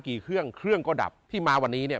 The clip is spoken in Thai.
กี่เครื่องเครื่องก็ดับที่มาวันนี้เนี่ย